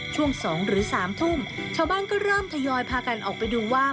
ช่วงสองหรือสามทุ่มชาวบ้านก็เริ่มทยอยพากันออกไปดูว่า